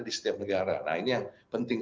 di setiap negara nah ini yang penting